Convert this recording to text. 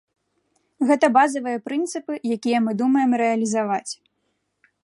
Гэта базавыя прынцыпы, якія мы думаем рэалізаваць.